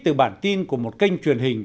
từ bản tin của một kênh truyền hình